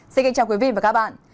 xin kính chào quý vị và các bạn